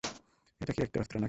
ওটা কি একটা অস্ত্র নাকি?